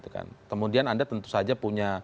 kemudian anda tentu saja punya